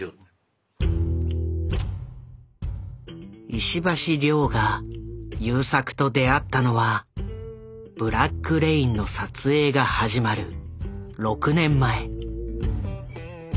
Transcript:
石橋凌が優作と出会ったのは「ブラック・レイン」の撮影が始まる６年前。